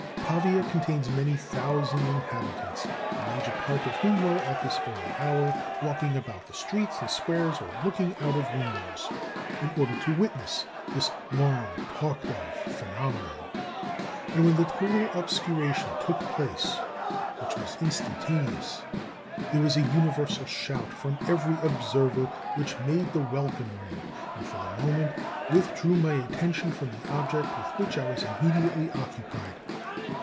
Pavia contains many thousand inhabitants, the major part of whom were, at this early hour, walking about the streets and squares or looking out of windows, in order to witness this long talked of phenomenon; and when the total obscuration took place, which was instantaneous, there was a universal shout from every observer, which 'made the welkin ring,' and, for the moment, withdrew my attention from the object with which I was immediately occupied.